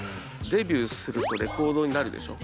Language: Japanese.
デビューするとレコードになるでしょ？